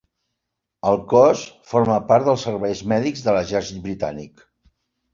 El cos forma part dels serveis mèdics de l'exèrcit britànic.